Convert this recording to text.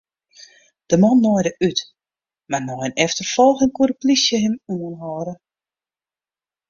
De man naaide út, mar nei in efterfolging koe de polysje him oanhâlde.